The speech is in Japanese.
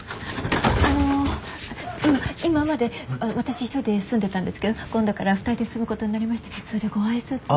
あの今まで私一人で住んでたんですけど今度から２人で住むことになりましてそれでご挨拶を。